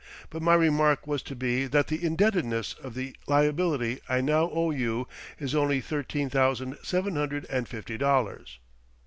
But my remark was to be that the indebtedness of the liability I now owe you is only thirteen thousand seven hundred and fifty dollars."